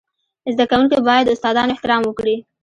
زده کوونکي باید د استادانو احترام وکړي.